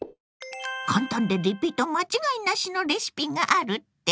簡単でリピート間違いなしのレシピがあるって？